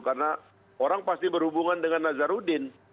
karena orang pasti berhubungan dengan nazarudin